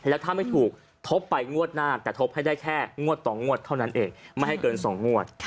แล้วถ้าไม่ถูกทบไปงวดหน้าแต่ทบให้ได้แค่งวดต่องวดเท่านั้นเองไม่ให้เกิน๒งวด